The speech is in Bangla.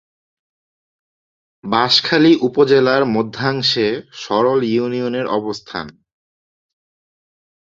বাঁশখালী উপজেলার মধ্যাংশে সরল ইউনিয়নের অবস্থান।